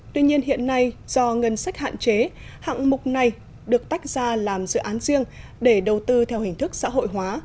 tuy nhiên hiện nay do ngân sách hạn chế hạng mục này được tách ra làm dự án riêng để đầu tư theo hình thức xã hội hóa